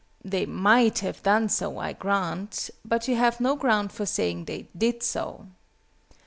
They might have done so, I grant; but you have no ground for saying they did so.